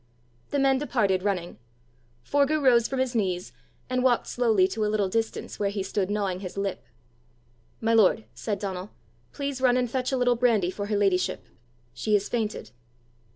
The men departed running. Forgue rose from his knees, and walked slowly to a little distance, where he stood gnawing his lip. "My lord," said Donal, "please run and fetch a little brandy for her ladyship. She has fainted."